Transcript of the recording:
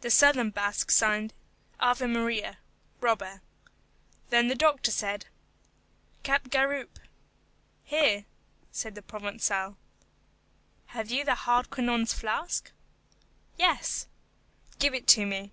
The southern Basque signed, AVE MARIA: Robber. Then the doctor said, "Capgaroupe." "Here," said the Provençal. "Have you Hardquanonne's flask?" "Yes." "Give it me."